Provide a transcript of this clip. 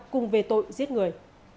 cùng về tội giết người